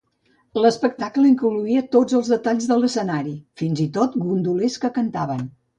L'espectable incloïa tots els detalls de l'escenari, fins i tot gondolers que cantaven.